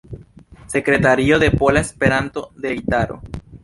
Sekretario de Pola Esperanto-Delegitaro.